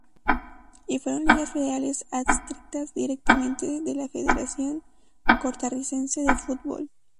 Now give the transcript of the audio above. Y fueron ligas federadas adscritas directamente a la Federación Costarricense de Fútbol.